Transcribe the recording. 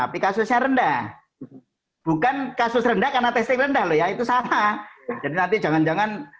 tapi kasusnya rendah bukan kasus rendah karena testing rendah loh ya itu sama jadi nanti jangan jangan